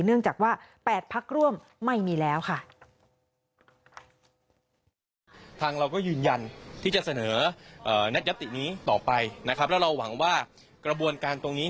เนื่องจากว่า๘พักร่วมไม่มีแล้วค่ะ